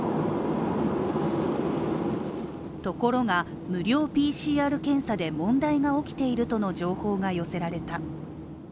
ところが、無料ＰＣＲ検査で問題が起きているとの情報が寄せられた。